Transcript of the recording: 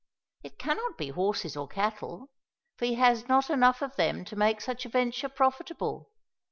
It cannot be horses or cattle, for he has not enough of them to make such a venture profitable.